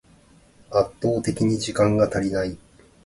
圧倒的に時間が足りない